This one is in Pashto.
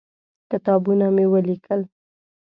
کتابونه مې ولیکل.